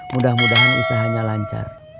mudah mudahan usahanya lancar